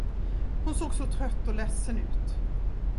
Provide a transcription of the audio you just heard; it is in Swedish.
Hon såg så trött och ledsen ut.